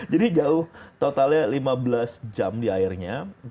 jadi jauh totalnya lima belas jam di airnya